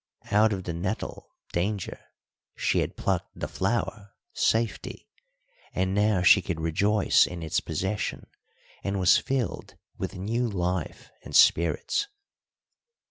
Out of the nettle Danger she had plucked the flower Safety, and now she could rejoice in its possession and was filled with new life and spirits.